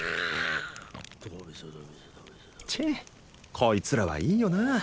チェッこいつらはいいよなあ。